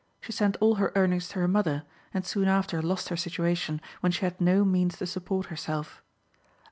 She sent all her earnings to her mother, and soon after lost her situation, when she had no means to support herself.